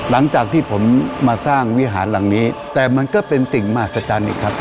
หลังจากที่ผมมาสร้างวิหารหลังนี้แต่มันก็เป็นสิ่งมหัศจรรย์อีกครับ